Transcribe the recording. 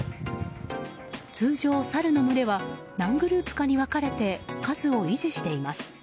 通常、サルの群れは何グループかに分かれて数を維持しています。